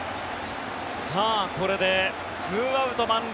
これで２アウト満塁。